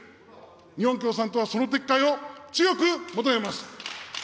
日本共産党はその撤回を強く求めます。